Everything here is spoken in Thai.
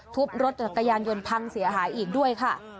ทุบรถจักรยานยนต์พังเสียหายอีกด้วยค่ะ